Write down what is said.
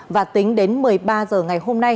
và tính đến một mươi ba h ngày hôm nay